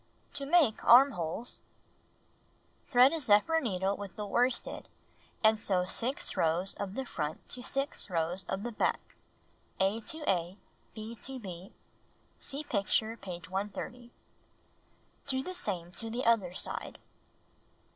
To Make Armholes Thread a zephyr needle with the worsted, and sew 6 rows of the front to 6 rows of the back (A to A, B to B. Sec picture, page 130). Do the same to the other side.